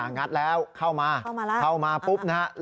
งัดแล้วเข้ามาเข้ามาปุ๊บนะฮะ